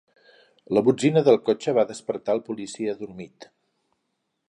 La botzina del cotxe va despertar el policia adormit.